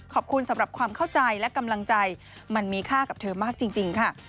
ขอบคุณสำหรับความเข้าใจและกำลังใจมันมีค่ากับเธอมากจริงค่ะ